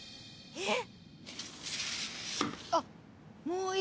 えっ！？